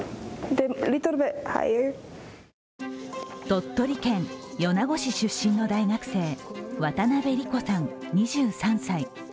鳥取県米子市出身の大学生渡邊莉湖さん２３歳。